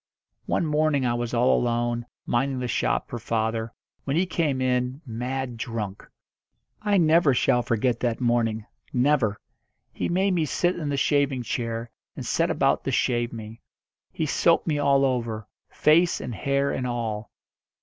One morning I was all alone, minding the shop for father, when he came in, mad drunk. I never shall forget that morning, never. He made me sit in the shaving chair, and set about to shave me. He soaped me all over face and hair and all.